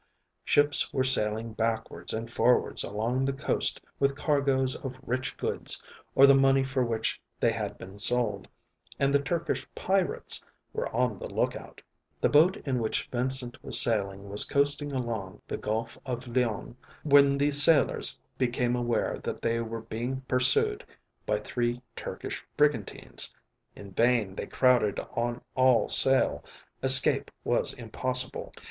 Ships were sailing backwards and forwards along the coast with cargoes of rich goods or the money for which they had been sold, and the Turkish pirates were on the lookout. The boat in which Vincent was sailing was coasting along the Gulf of Lyons when the sailors became aware that they were being pursued by three Turkish brigantines. In vain they crowded on all sail; escape was impossible.